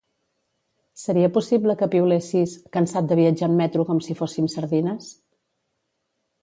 Seria possible que piulessis "cansat de viatjar en metro com si fóssim sardines"?